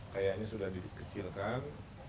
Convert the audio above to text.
kayaknya sudah dikecilkan